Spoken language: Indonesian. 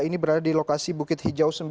ini berada di lokasi bukit hijau